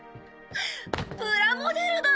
プラモデルだ！